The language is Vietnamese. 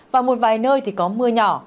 và một vài nơi thì có mưa nhỏ